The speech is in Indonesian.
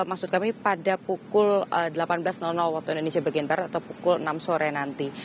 maksud kami pada pukul delapan belas waktu indonesia bagian barat atau pukul enam sore nanti